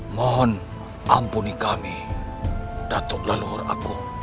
mohon ampuni kami datuk leluhur yang agung